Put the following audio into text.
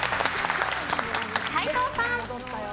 斎藤さん。